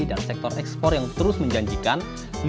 dan sektor ekspor yang terus menjanjikan